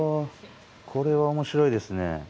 これは面白いですね。